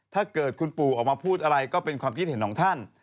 ถ้าเกิดคุณปู่ออกมาพูดอะไรก็เป็นความคิดเห็นของท่าน